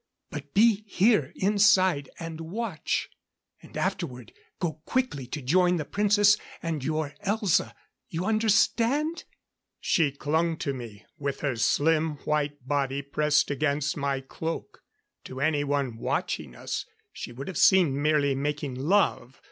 But be here, inside, and watch. And afterward, go quickly to join the Princess and your Elza. You understand?" She clung to me, with her slim, white body pressed against my cloak. To anyone watching us, she would have seemed merely making love.